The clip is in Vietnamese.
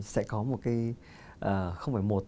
sẽ có một cái không phải một